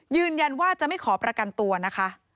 ยืนยันว่าจะไม่ขอประกันตัวนะคะ